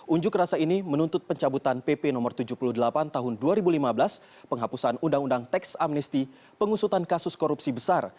unjuk rasa ini menuntut pencabutan pp no tujuh puluh delapan tahun dua ribu lima belas penghapusan undang undang teks amnesti pengusutan kasus korupsi besar